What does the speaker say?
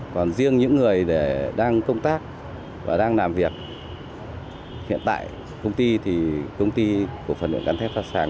còn riêng những người đang công tác và đang làm việc hiện tại công ty thì công ty của phần luyện cán thép gia sàng